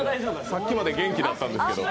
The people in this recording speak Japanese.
さっきまで元気だったんですけど。